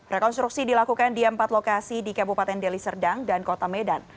rekonstruksi dilakukan di empat lokasi di kabupaten deli serdang dan kota medan